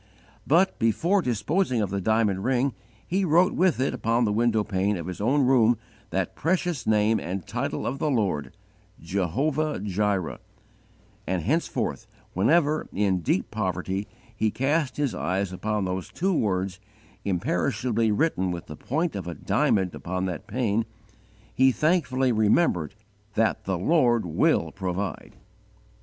But, before disposing of the diamond ring, he wrote with it upon the window pane of his own room that precious name and title of the Lord "JEHOVAH JIREH" and henceforth whenever, in deep poverty, he cast his eyes upon those two words, imperishably written with the point of a diamond upon that pane, he thankfully remembered that "THE LORD WILL PROVIDE."